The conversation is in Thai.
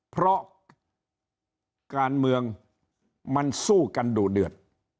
เพราะการเมืองมันสู้กันดุเดือด